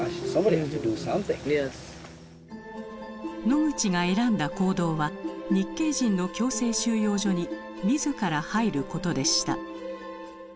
ノグチが選んだ行動は日系人の強制収容所に自ら入ることでした。